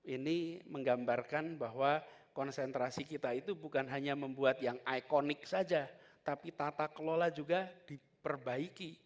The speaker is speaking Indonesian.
ini menggambarkan bahwa konsentrasi kita itu bukan hanya membuat yang ikonik saja tapi tata kelola juga diperbaiki